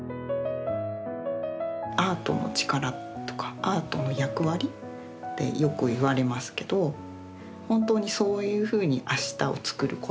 アートの力とかアートの役割ってよく言われますけど本当にそういうふうにあしたをつくること。